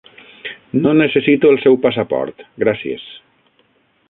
No necessito el seu passaport, gràcies.